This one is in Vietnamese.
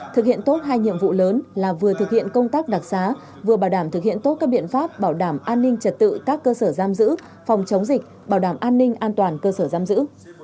thực hiện tốt hai nhiệm vụ lớn là vừa thực hiện công tác đặc xá vừa bảo đảm thực hiện tốt các biện pháp bảo đảm an ninh trật tự các cơ sở giam giữ phòng chống dịch bảo đảm an ninh an toàn cơ sở giam giữ